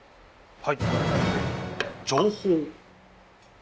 はい。